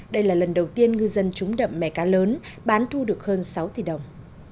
đây là lần đầu tiên ngư dân trúng đậm mẻ cá lớn bán thu được hơn sáu tỷ đồng